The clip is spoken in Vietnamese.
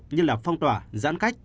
như là phong tỏa giãn cách